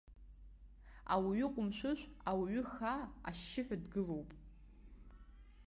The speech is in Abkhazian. Ауаҩы ҟәымшәышә, ауаҩы хаа, ашьшьыҳәа дгылоуп.